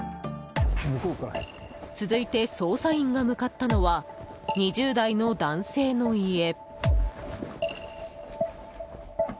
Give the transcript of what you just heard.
続いて捜査員が向かったのは２０代の男性の家。